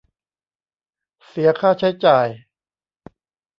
เสียค่าใช้จ่าย